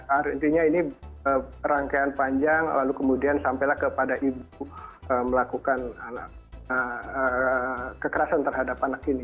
artinya ini rangkaian panjang lalu kemudian sampailah kepada ibu melakukan kekerasan terhadap anak ini